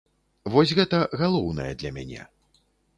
Вось гэта галоўнае для мяне.